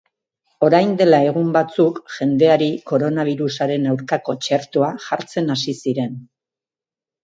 Orain dela egun batzuk jendeari koronabirusaren aurkako txertoa jartzen hasi ziren.